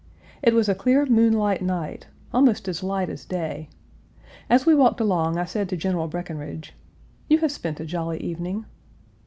It was a clear moonlight night almost as light as day. As we walked along I said to General Breckinridge, "You have spent a jolly evening."